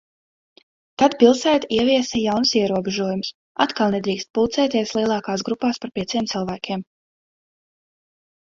Tad pilsēta ieviesa jaunus ierobežojumus – atkal nedrīkst pulcēties lielākās grupās par pieciem cilvēkiem.